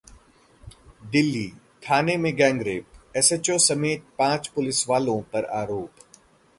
दिल्ली- थाने में gang rape, SHO समेत पांच पुलिसवालों पर आरोप